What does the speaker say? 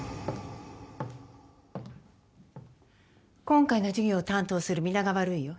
今回の授業を担当する皆川瑠依よ。